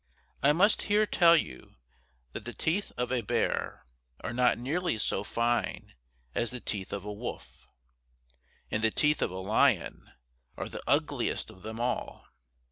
I must here tell you that the teeth of a bear are not nearly so fine as the teeth of a wolf. And the teeth of a lion are the ugliest of them all.